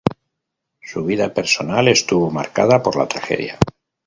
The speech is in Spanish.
Su vida personal estuvo marcada por la tragedia.